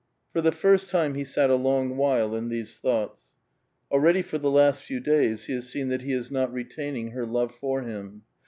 For the first time be sat a long while in these thoughts ; already for tbe last few days be has seen that he is not retaining her love for him.